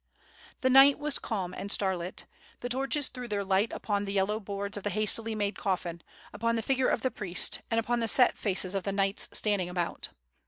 The night was calm and starlit. The torches threw their light upon the yellow boards of the hastily made coffin, upon the figure of the priest, and upon the set faces of the knights standing about.